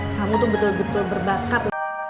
kamu tuh betul betul berbakat